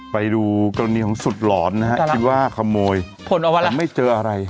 ไปดูกรณีของสุดหลอนนะฮะน่ารักคิดว่าขโมยผลเอาไปแล้วผมไม่เจออะไร